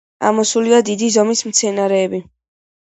ამოსულია დიდი ზომის მცენარეები.